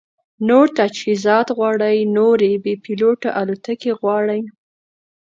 نور تجهیزات غواړي، نورې بې پیلوټه الوتکې غواړي